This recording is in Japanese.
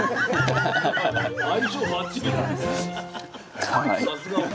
相性ばっちりだね。